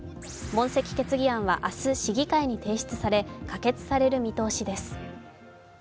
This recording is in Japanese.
問責決議案は明日、市議会に提出され、可決される見通しです。